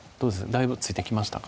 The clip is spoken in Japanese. だいぶ付いてきましたか？